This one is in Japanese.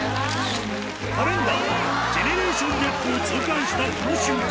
カレンダーは、ジェネレーションギャップを痛感したこの瞬間。